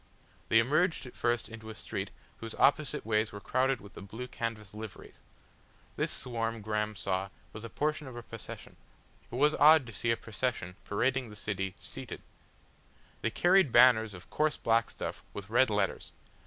They emerged at first into a street whose opposite ways were crowded with the blue canvas liveries. This swarm Graham saw was a portion of a procession it was odd to see a procession parading the city seated. They carried banners of coarse black stuff with red letters.